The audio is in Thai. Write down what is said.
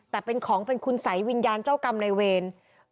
แต่เป็นของเป็นคุณสัยวิญญาณเจ้ากรรมในเวร